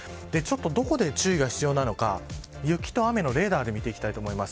どこで注意が必要なのか雪と雨のレーダー見ていきます。